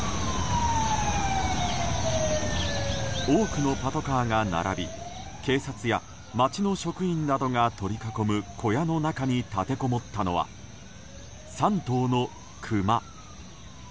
多くのパトカーが並び警察や町の職員などが取り囲む小屋の中に立てこもったのは３頭のクマ。